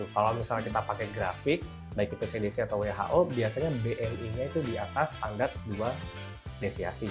kalau misalnya kita pakai grafik baik itu cdc atau who biasanya bni nya itu di atas standar dua deviasi